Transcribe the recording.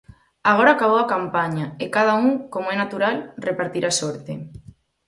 Agora acabou a campaña, e cada un, como é natural, repartirá sorte.